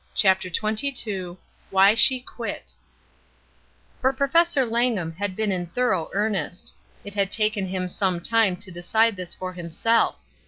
CHAPTER XXII WHY SHE ''quit" FOR Professor Langham had been in thor ough earnest. It had taken him some time to decide this for himself.